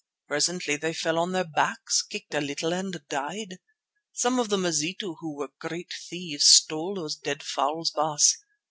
Presently they fell on their backs, kicked a little and died. Some of the Mazitu, who were great thieves, stole those dead fowls, Baas.